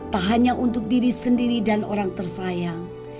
tak hanya untuk diri sendiri dan orang tersayang